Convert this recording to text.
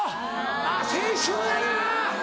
あっ青春やな！